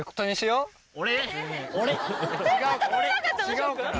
違うから！